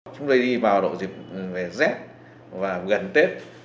chúng tôi đi vào đội dịp z và gần tết